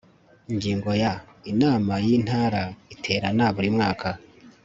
ingingo ya inama y intara iterana burimwaka